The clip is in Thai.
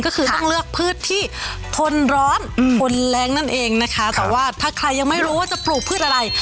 ก็คือต้องเลือกพืชที่ทนร้อนทนแรงนั่นเองนะคะแต่ว่าถ้าใครยังไม่รู้ว่าจะปลูกพืชอะไร